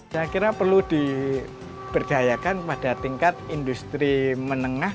saya kira perlu diberdayakan pada tingkat industri menengah